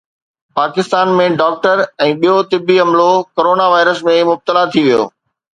Pakistan ۾ doctor ۽ ٻيو طبي عملو ڪورونا وائرس ۾ مبتلا ٿي ويو